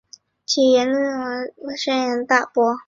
其言论在网路上引起轩然大波。